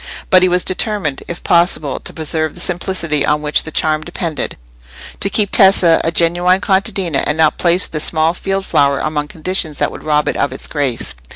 But he was determined, if possible, to preserve the simplicity on which the charm depended; to keep Tessa a genuine contadina, and not place the small field flower among conditions that would rob it of its grace.